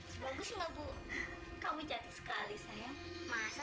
sampai jumpa di video selanjutnya